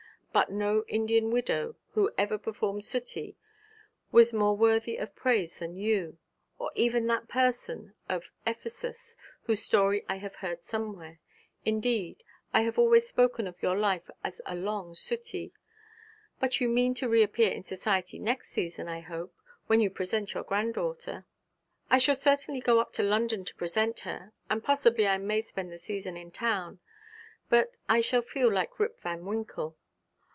But no Indian widow who ever performed suttee was more worthy of praise than you, or even that person of Ephesus, whose story I have heard somewhere. Indeed, I have always spoken of your life as a long suttee. But you mean to re appear in society next season, I hope, when you present your granddaughter?' 'I shall certainly go up to London to present her, and possibly I may spend the season in town; but I shall feel like Rip Van Winkle.'